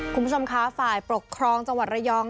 คุณผู้ชมคะฝ่ายปกครองจังหวัดระยอง